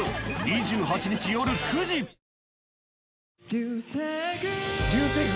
「流星群」！？